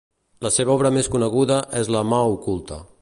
La seva obra més coneguda és "La mà oculta".